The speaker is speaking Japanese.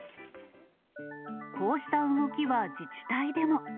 こうした動きは自治体でも。